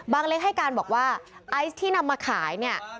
เล็กให้การบอกว่าไอซ์ที่นำมาขายเนี่ย